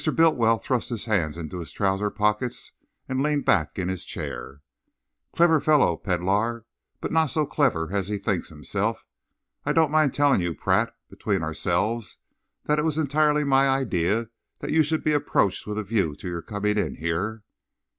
Bultiwell thrust his hands into his trousers pockets and leaned back in his chair. "Clever fellow, Pedlar, but not so clever as he thinks himself. I don't mind telling you, Pratt, between ourselves, that it was entirely my idea that you should be approached with a view to your coming in here."